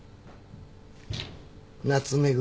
ナツメグ。